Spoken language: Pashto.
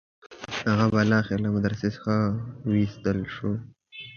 هغه بالاخره له مدرسې څخه وایستل شو.